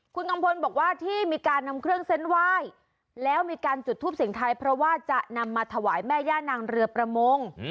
คุณกัมพลบอกว่าที่มีการนำเครื่องเส้นไหว้แล้วมีการจุดทูปเสียงไทยเพราะว่าจะนำมาถวายแม่ย่านางเรือประมง